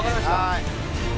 はい。